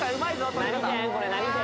これ何県？